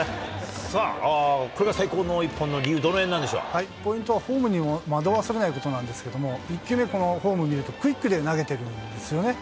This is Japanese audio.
さあ、これが最高の一本の理由、ポイントはフォームに惑わされないことなんですけど、１球目、このフォーム見ると、クイックで投げてるんですよね。